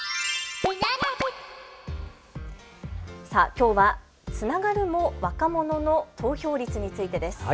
きょうはつながるも若者の投票率についてです。